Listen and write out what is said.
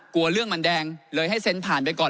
กลัวเรื่องมันแดงเลยให้เซ็นผ่านไปก่อน